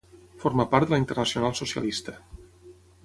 Forma part de la Internacional Socialista.